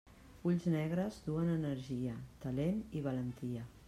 Ulls negres duen energia, talent i valentia.